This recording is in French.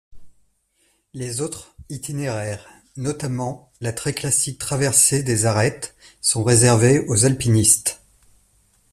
Les autres itinéraires, notamment la très classique traversée des arêtes, sont réservés aux alpinistes.